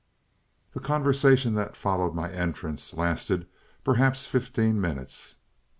"The conversation that followed my entrance, lasted perhaps fifteen minutes.